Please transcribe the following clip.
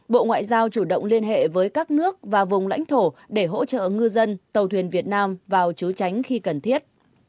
bộ ngoại giao chủ động liên hệ với các nước và vùng lãnh thổ để hỗ trợ ngư dân tàu thuyền việt nam vào chú tránh khi cần thiết